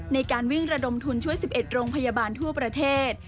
ในการวิ่งระดมทุนช่วย๑๑โรงพยาบาลทั่วประเทศ